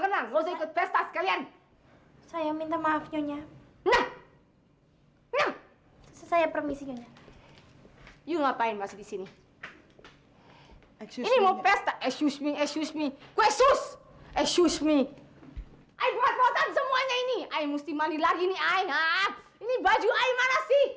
nona kau diam aja sih di luar